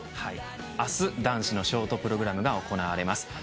明日、男子のショートプログラムが行われます。